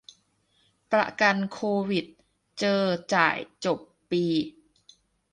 ประกันโควิด เจอ จ่าย จบ ปี